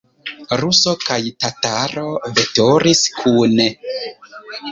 Ruso kaj tataro veturis kune.